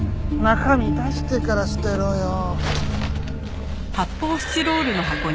中身出してから捨てろよ。